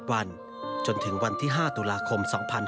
วันจนถึงวันที่๕ตุลาคม๒๕๕๙